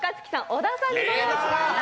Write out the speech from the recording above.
小田さんにご用意しました。